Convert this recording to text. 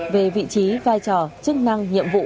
về vị trí vai trò chức năng nhiệm vụ